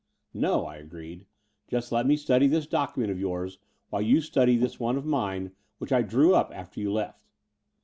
"No," I agreed. "Just let me study this docu ment of yoturs, while you study this one of mine, which I drew up after you left.